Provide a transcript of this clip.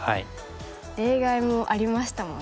例外もありましたもんね。